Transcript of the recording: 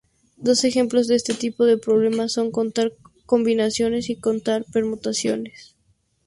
Dos ejemplos de este tipo de problema son contar combinaciones y contar permutaciones.